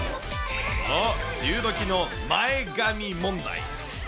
そう、梅雨どきの前髪問題。